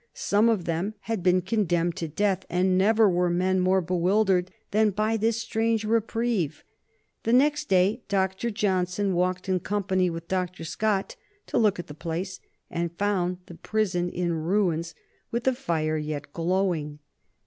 Some of them had been condemned to death, and never were men more bewildered than by this strange reprieve. The next day Dr. Johnson walked, in company with Dr. Scott, to look at the place, and found the prison in ruins, with the fire yet glowing.